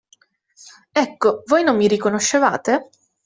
Ecco, voi non mi riconoscevate!